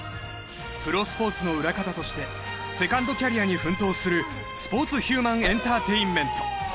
プロスポーツの裏方としてセカンドキャリアに奮闘するスポーツヒューマンエンターテインメント